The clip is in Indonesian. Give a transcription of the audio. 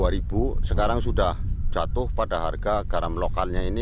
rp dua sekarang sudah jatuh pada harga garam lokalnya ini